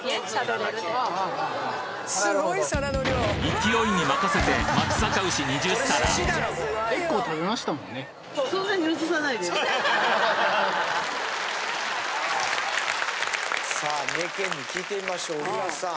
勢いに任せて松阪牛２０皿さあ三重県民に聞いてみましょう小椋さん。